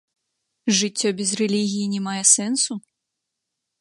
Жыццё без рэлігіі не мае сэнсу?